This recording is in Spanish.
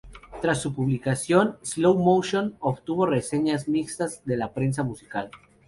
Tras su publicación, "Slow Motion" obtuvo reseñas mixtas de la prensa musical.